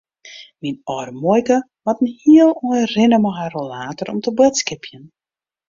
Myn âlde muoike moat in heel ein rinne mei har rollator om te boadskipjen.